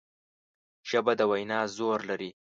ژبه د وینا زور لري